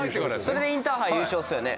それでインターハイ優勝ですよね。